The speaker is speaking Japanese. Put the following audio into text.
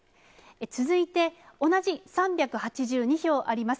続いて、同じ３８２票あります